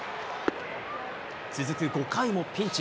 続く５回もピンチ。